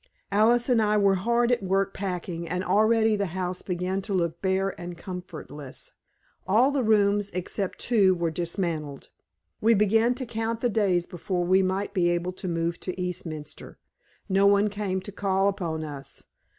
Alice and I were hard at work packing, and already the house began to look bare and comfortless. All the rooms, except two were dismantled. We began to count the days before we might be able to move into Eastminster. No one came to call upon us.